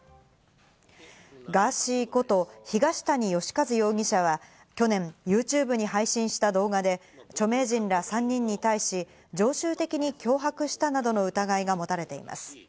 ガーシーこと東谷義和容疑者は去年ＹｏｕＴｕｂｅに配信した動画で、著名人ら３人に対し、常習的に脅迫したなどの疑いがもたれています。